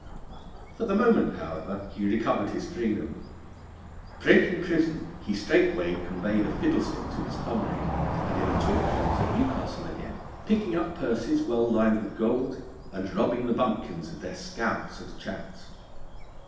For the moment, however, he recovered his freedom: breaking prison, he straightway conveyed a fiddlestick to his comrade, and in a twinkling was at Newcastle again, picking up purses well lined with gold, and robbing the bumpkins of their scouts and chats.